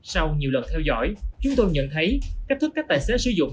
sau nhiều lần theo dõi chúng tôi nhận thấy cách thức các tài xế sử dụng